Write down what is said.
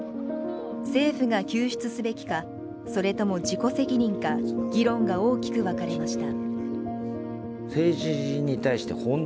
政府が救出すべきかそれとも自己責任か議論が大きく分かれました。